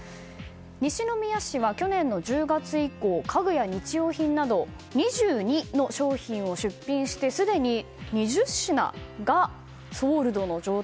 西宮市は去年の１０月以降家具や日用品など２２の商品を出品してすでに２０品がソールドの状態。